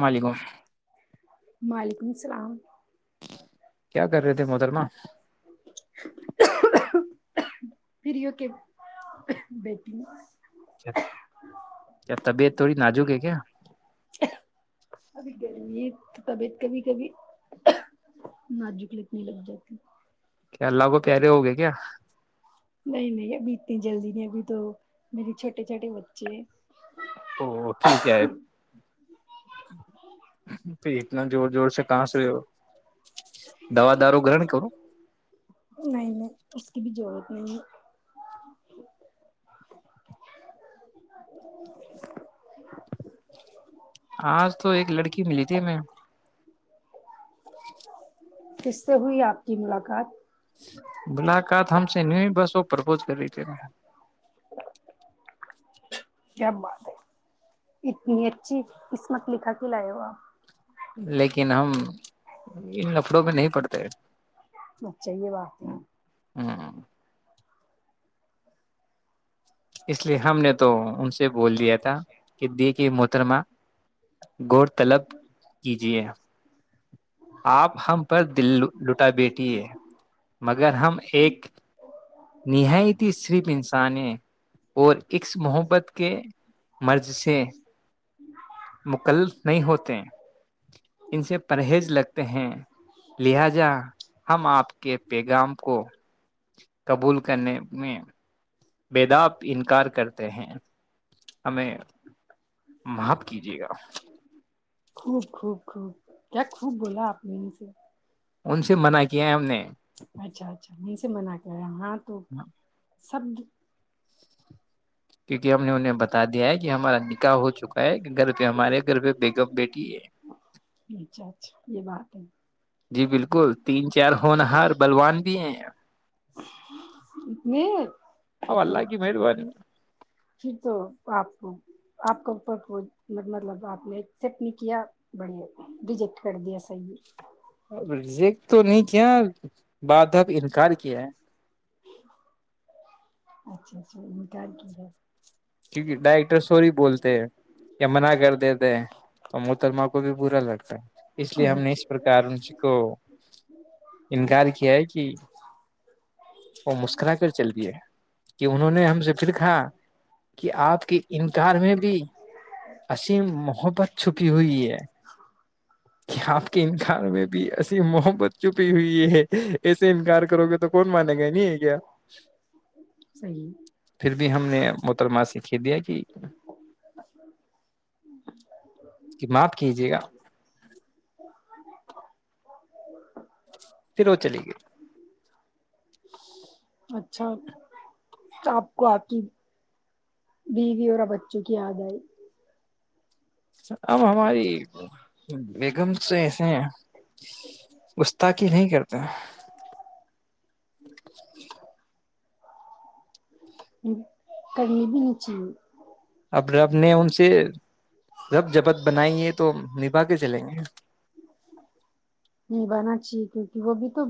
مالگو وعلیکم السلام کیا کر رہے تھے محترمہ پھر ہو کے بیٹی کیا تبیعت تھوڑی نازوک ہے کیا ابھی گرمی تو طبیعت ن جکلیت نہیں لگ جاتی ہو کیا اللہ کو پیارے ہو گئے کیا نی جلدی میں ابھی تو میرری چھوٹے چھوٹے بچے او ٹھیک ہے ہے پ اتنا جور جوور سے کہاں سے دوا دارو گرہن کرو نہیں نہیں اس کی بھی ضرورت نہیں ہے [inaudible] آج تو ایک لڑکی ملی تھی ہمیں کس سے ہوئی آپ کی ملاقات ملاقات ہم سے ن بسوں پرپوز کر رہی ت میں کیم بات ہے [unintelligible] اتنی اچھی اس مت لکھا کے لائے ہو آپ لیکن ہم ان لفڑوں میں نہیں پڑھتے اچھا یہ بات ہے ہاں اس لیے ہم نے تو ان سے بول دیا تھا کہ دیک کے محترمہ گور طلب کیجے آپ ہم پر دل لٹا بیٹیھی ہے مگر ہم ایک نیہی ت صرپ انسان ہے [unintelligible] اور اس محبت کے مرض سے مکلف نہیں ہوتے ان سے پرہیز لگتے ہیں لہذا ہم آپ کے پیغام کو قبول کرنے میں بیداب ان کی کار کرتے ہیں ہمیں معاف کیجیے گا خوب خوب خوب کیا خوب بولا آپ مین سے ان سے منع کیا ہے ہم نے اچھا اچھا یہیں سے منع کر ہاں ہ تو [unintelligible] سبد [unintelligible] کیونکہ ہم نے انہیں بتا دیا ہے کہ ہمارا نکاح ہو چکا ہے کہ گھر پہ ہمارے گھر پہ بیگم بیٹی ہے اچ یہ بات ہے [unintelligible] جی بالکل تین چار ہونہار بلوان بھی ہیں اتنے پھر ہ تو اللہ کی مہربانی پھر تو آپ کو آپ کا اوپر کو مطلب آپ نے ایکسپٹ نہیں کیا بڑھیا ریجیکٹ کر دیا صح رزیک تو نہیں کیا بعد اب انکار کیا ہے اچھا اچھا ہک کی ہے کیکہ ڈائریکٹر سوری بولتے یا منع کر دیتے تو محترمہ کو بھی با لگتا ہے اس لیے ہم نے اس اچھا پرکار ان کو انکار کیا ہے کہ وہ مسکرا کر چلتی ہے کہ انہوں نے ہم سے پھر کہا کہ آپ کے انکار میں بھی ام محبت چھپی ہوئی ہے کہ آپ کے انکار میں بھی ام محبت چھپی ہوئی ہے ایسے انکار کرو گے تو کون مانے گئے نہیں کیا صحیح پھر بھی ہم نے تر ماس کھیدیا کہ اس کی بات کیجے گا پھر وہ چلے گی اچھا آپ کو آتی بیوی اور بچوں کی یاد آئی اب ہماری بیگم سے ایسے ہیں گستاقی نہیں کرتے [inaudible] کرنی بھی نچی اب رب نے ان سے رب جبت بنائی ہے تو نبھا کے چلیں گے نبھانا چاہیے کیونکہ وہ بھی تو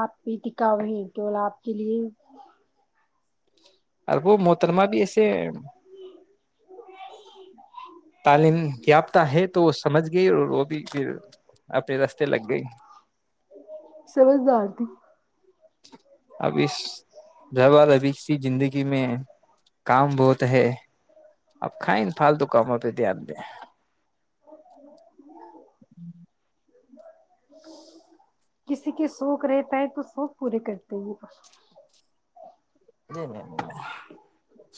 آپ پیتکا ہو ہے توٹول آپ کے لیے [inaudible] اورر وہ محترمہ بھی ایسے تعلیم یافتہ ہے تو وہ سمجھ گئی اور وہ بھی پھر اپنے رستے لگ گئی سمجھدار تھی اب اس زال ابھی کی زندگی میں کام بہت ہے اب کھائیں پالتو کاموں پہ دھیان دیں کسی کے شوق رہتا ہے تو شوق پورے کرتے ہیں جی نہیں نہیں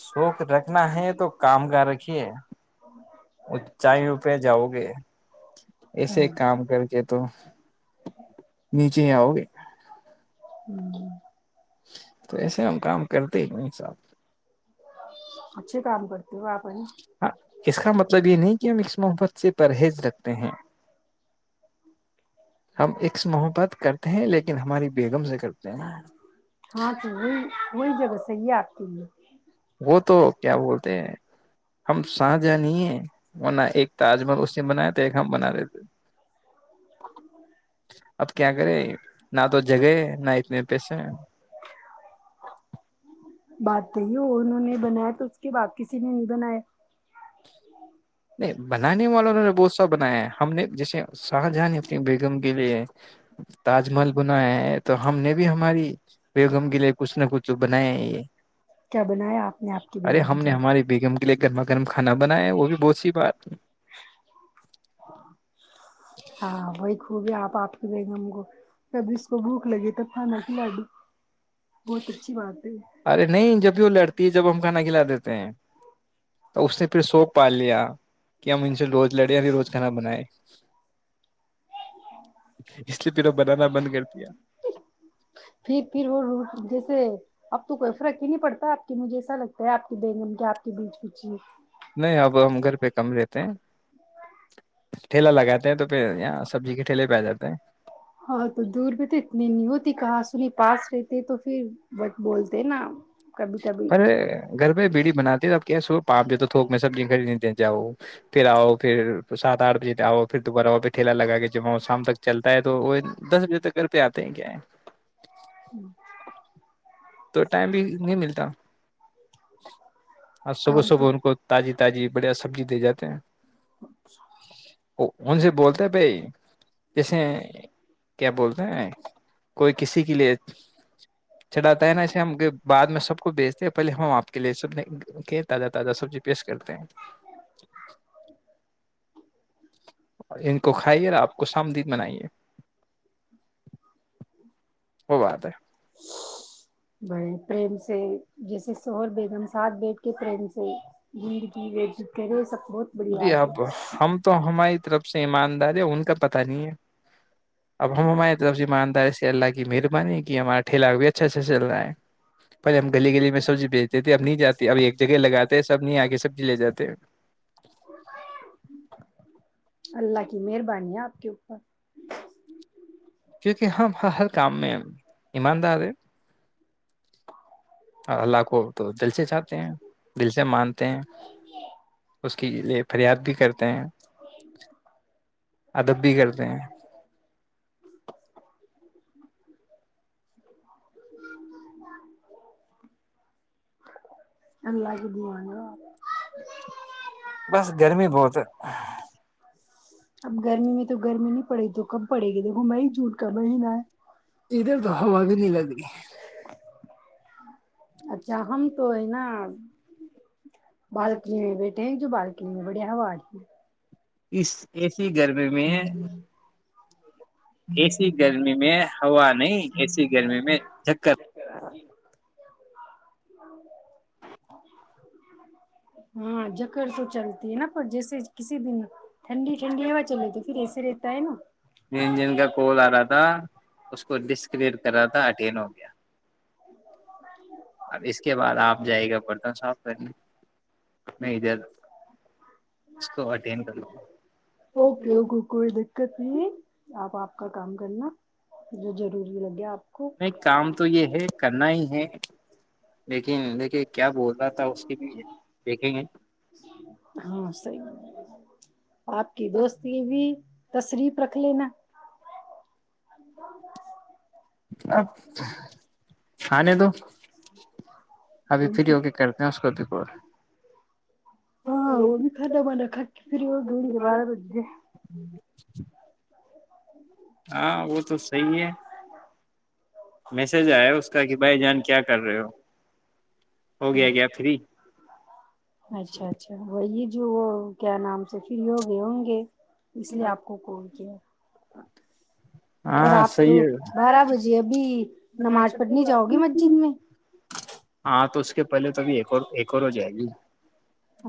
شوق رکھنا ہے تو تو کام کر رکھیے اونچائی رو پہ جاؤ گے ایسے کام کر کے تو نیچے آؤ گے ہوں تو ایسےم کام کرتے نہیں ساب اچھے کام کرتے ہو آپ ہے نا ہ اس کا مطلب یہ نہیں کہ ہم اس محبت سے پرہیز رکھتے ہیں ہم ایکس محک ب کرتے ہیں لیکن ہماری بیگم سے کرتے ہیں نا ہاں تو وہی وہی جگہ صحیح آتی ہے وہ تو کیا بولتے ہیں ہم ساہ جہ نہیں ہیں اور نہ ایک تاج محل اس نے بنایا تو ایک ہم بنا دیتے اب کیا کرے نہ تو جگہ نہ اتنے پیسے بات توی ہو انہوں نے بنایا تو اس کے بعد کسی نے نہیں بنایا نہیں بنانے والا انہوں نے بہت سا بنایا ہے ہم نے جیسے شاہجہان اپنی بیگم کے لیے تاج محل بنایا ہے تو ہم نے بھی ہماری بیگم کے لیے کچھ نہ کچھ بنایا ہے یہ کیا بنایا آپ نے آپ کی ارے بیگم ہم کے نے لیے ہمارے بیگم کے لیے گھرم گرم کانا بناائے ہے وہ بھی بہت س بات ہاں وہی خوب ہی آپ آپ بیگ ہم گو جب جس کو بھوک لگے تب ہا کی لڈو ارے نہیں جب بھی وہ لڑتی ہے جب ہم کھانا کھلا دیتے ہیں تو اس نے پھر سوق پال لیا کہ ہم ان سے روز لڑے ھر روز کھانا بنائے اس لیے تیرا بنانا بند کر دیا پھر پھر وہ جیسے اب تو کوئی فرق ہی نہیں پڑتا آپ کی مجھے اچا لگتا ہے آپ بینگن کے آپ بیچ بیچیے نہیں اب ہم گھر پہ کم دیتے ہیں ٹھیلا لگاتے ہیں تو پھر اں سبزی کے ٹھیلے پہ آ جاتے ہیں ہاں تو دور بھی تو اتنی نہیں ہوتی کہاں سنی پاس رہتے تو پھر بٹ بولتے نا کبھی کبھی اے گھر میںہ بیڑی بناتی اب کیا سو پاپ جو تو تھوک میں سبزیاں خریدتے جاؤ پھر آؤ پھر سات آٹھ بجے آؤ پھر دوبارہ آ پھر ٹھیلا لگ کے جب شام تک چلتا ہے تو وہ دس بجے تک گھر پہ آتے ہیں کیا ہے ہوں تو ٹائم بھی نہیں ملتا [inaudible] آ صبح کام صبح تو ان کو تازی تازی بڑھیا سبزی دے جاتے ہیں ان سے بولتا ہے بھائی جیسے کیا بولتے ہیں کوئی کسی کے لیے چھاتا ہے نا ایے ہم بع میں سب کو بیچتے ہیں پہلے ہم آپ کے لیے سب کہ تازہ تازہ سبزی پیش کرتے ہیں اور ان کو کھائیے اور آپ کو سامدید بنائیے وہ بات ہے بائی پریم سے جیسے شوہر بیگم سے ساتھ بیٹھ کے فرینڈ سے گ جی اب ہم تو ہماری طرف سب سے ایماندار ہے ان کا پتا نہیں ہے اب ہم ہمار طرف سے ایماندار سے اللہ کی مہربانی ہے کہ ہمارا ٹھیلا بھی اچھا اچھا چل رہا ہے پل ہم گلی گلی میں سبزی بیچتے تھے اب نہیں جاتی اب ایک جگہ لگاتے ہیں سب نہیں آگے سب لے جاتے ہیں اللہ کی مہربانی آپ کے اوپر کیونکہ ہم ہر کام میں ایماندار ہے اور اللہ کو تو دل سے چاہتے ہیں دل سے مانتے ہیں اس کے لیے فریاد بھی کرتے ہیں ادب بھی کرتے ہیں لگ بھی ن [unintelligible] بس گرمی بہت ہے اب گرمی میں تو گرمی نہیں پڑے تو کم پڑے گی دیکھو مئی جون کا مہینہ ہے ادھر تو ہوا بھی نہیں لگ رہی اچھا ہم تو ہینا بالکنی میں بیٹھے ہیں جو بالکنی میں بڑی ہوا آ رہی ہے اس ایسی گرمی میں ایسی گرمی میں ہوا نہیں ایسی گرمی میں چکر [unintelligible] ہاں جکر تو چلتی ہینا اور جیسے کسی دن ٹھنڈی ٹھنڈی ہو چلےتی پھر ایے تا ہینا جی جی کا کوال آ رہا تھا اس کو ڈسکلیئر کرا تھا اٹین ہو گیا اب اس کے بعد آپ جائے گا برتن صاف کرنے میں ادھر اس کو اٹینڈ کر لوں گا اوکے اوکے کوئی دقت نہیں آپ آپ کا کام کرنا جو ضروری لگے آپ کو نہیں کام تو یہ ہے کرنا ہی ہے لیکن دیکھیے کیا بول رہا تھا اس کی بھی دھیکھےگے ہاں صحیح آپ کی دوست کی بھی تشریف رکھ لینا ادم [unintelligible] اب [unintelligible] آھے دو ابھی فری ہو کے کرتے ہیں اس کو بھی ہاں وہ بھی فدا مانا ک کے پھر ہو گوں گے بارہ بج گے ہاں وہ تو صحی ہے میسج آیا اس کا کہ بھائی جان کیا کر رہے ہو ہو گیا کیا فری اچھا اچھا وہی جو وہ کیا نام سے فری ہوگئے ہوں گے اس لیے آپ کو کو کیا ہ [inaudible] ہاں صحیح ہے ابھی نماز پڑھنے جاؤ گے مسجد میں ہاں تو اس کے پہلے تو اب ایک اور ہو جائے گی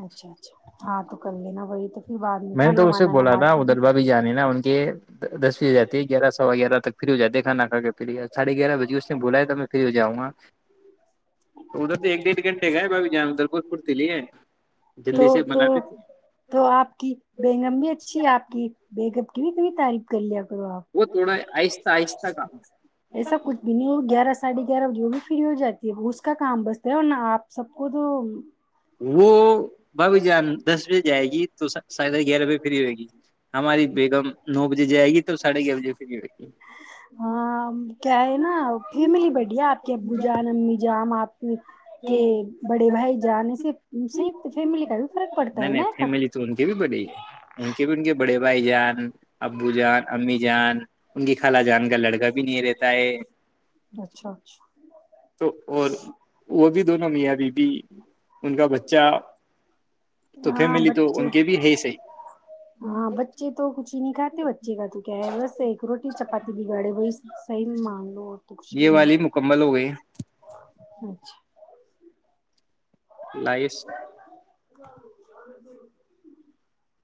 اچھا اچھا ہاں تو کر لینا وہی تو پھر بعد میں نے کھانا تو اسے مانا نماز میں دسییا جاتی د گیارہ سوا گیارہ تک فری ہو جاتے کھانا کھ کے فریاھے گیارہ بجے اس نے بلایا تو میں فری ہو جاؤں گا تو ادھر تو ایک ڈیڑھ گھنٹے کا ہے بھابھی جان ادھر پورتی لیے تو جلدی سے تو بنا دیتے تو آپ کی بیگم بھی اچھی ہے آپ کی بیگم کی بھی تھڑی تعریف کر لیا آ وہ تھوڑا آہستہ آہستہ کام ایسا کچھ بھی نہیں ہوگا گیارہ ساڑھے گیارہ بجے ہوگی فری ہو جاتی ہے وہ اس کا کام بس د ہو ن آپ سب کو تو وہ بھابھی جان دس بجے جائے گی تو سدہ گیارہ بجے فری ہوئے گی ہماری بیگم نو بجے جائے گی تو ساڑھے گیارہ بجے فری ہوئے گی ہاں کیا ہے نا فیملی بڑیا آپ کے ابو جان امی جان آپ کے بڑے بھائی جان پڑتا نہیں ہے نا نہیں یار۔ فیملی تو ان کے بھی بڑی ہے ان کے بھی ان کے بڑے بھائی جان ابو جان امی جان ان کی خال جان کا لڑکا بھی نہیں رہتا ہے اچھا اچھا تو اور وہ بھی دونوں میاںبب بھی ہاں فیملی تو بچے ان کے بھی ہے صحیح ہاں بچے تو کچھ ہی نہیں کاتے بے ا تو کیا ہے بس ایک روٹی چپاتی بگاڑے وہی صحیح مان لو اور تو کچھ یہ بھی والی نہیں مکمل ہو گئی لائس ج [inaudible]